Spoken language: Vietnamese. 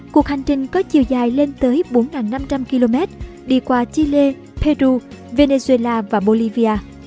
cuộc hành trình có chiều dài lên tới bốn năm trăm linh km đi qua chile peru venezuela và bolivia